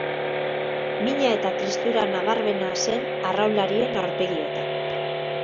Mina eta tristura nabarmena zen arraunlarien aurpegietan.